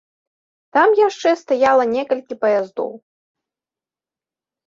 Там яшчэ стаяла некалькі паяздоў.